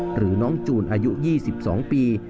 หรือน้องจูนอายุ๒๒ปี